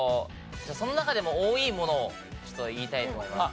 その中でも多いものをちょっと言いたいと思います。